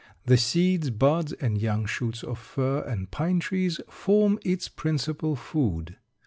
The seeds, buds, and young shoots of fir and pine trees form its principal food.